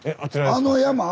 あの山？